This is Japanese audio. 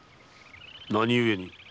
何故に？